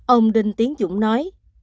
ông đinh tiến dũng nói